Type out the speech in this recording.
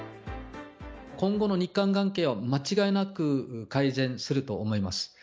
今後の日韓関係は間違いなく改善すると思います。